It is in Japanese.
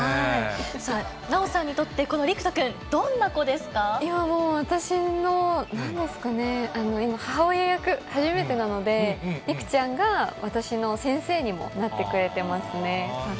さあ、奈緒さんにとって、いや、もう私の、なんですかね、今、母親役、初めてなので、陸ちゃんが私の先生にもなってくれてますね。